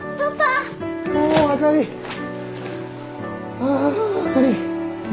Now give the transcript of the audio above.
ああかり。